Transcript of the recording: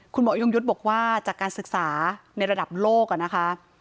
ยงยุทธ์บอกว่าจากการศึกษาในระดับโลกนะคะ